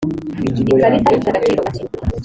ikarita ifite agaciro gake.